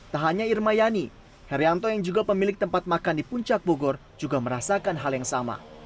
tak hanya irma yani herianto yang juga pemilik tempat makan di puncak bogor juga merasakan hal yang sama